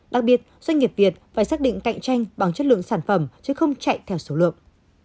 đặc biệt doanh nghiệp việt phải xác định cạnh tranh bằng chất lượng sản phẩm chứ không chạy theo số lượng